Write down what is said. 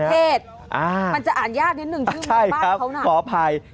มันจะอ่านยากนิดหนึ่งซึ่งบ้านเขาน่ะ